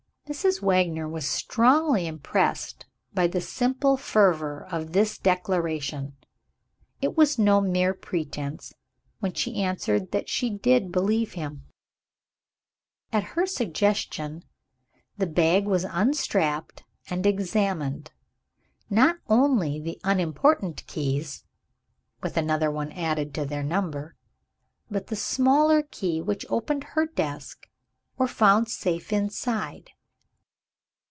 Mrs. Wagner was strongly impressed by the simple fervor of this declaration. It was no mere pretense, when she answered that she did believe him. At her suggestion, the bag was unstrapped and examined. Not only the unimportant keys (with another one added to their number) but the smaller key which opened her desk were found safe inside.